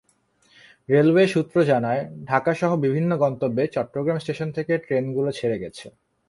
Railway সূত্র জানায়, ঢাকাসহ বিভিন্ন গন্তব্যে চট্টগ্রাম স্টেশন থেকে ট্রেনগুলো ছেড়ে গেছে।